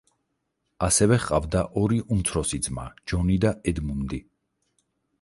ასევე ჰყავდა ორი უმცროსი ძმა ჯონი და ედმუნდი.